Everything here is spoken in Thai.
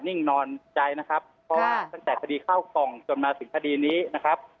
นิ่งนอนใจนะครับเพราะว่าตั้งแต่คดีเข้ากล่องจนมาถึงคดีนี้นะครับ